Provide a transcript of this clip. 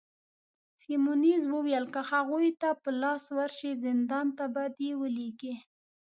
سیمونز وویل: که هغوی ته په لاس ورشې، زندان ته به دي ولیږي.